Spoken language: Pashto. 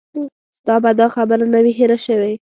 ستا به دا خبره نه وي هېره شوې.